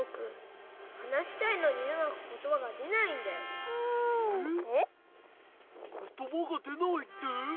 ことばがでないって？